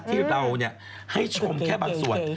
ที่เราให้ชมแค่บางส่วน